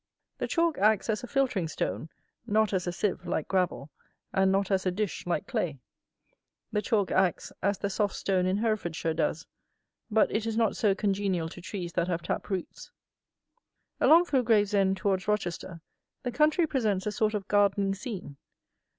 The chalk acts as a filtering stone, not as a sieve, like gravel, and not as a dish, like clay. The chalk acts as the soft stone in Herefordshire does; but it is not so congenial to trees that have tap roots. Along through Gravesend towards Rochester the country presents a sort of gardening scene.